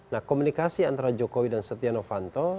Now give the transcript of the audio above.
nah komunikasi antara jokowi dan setia novanto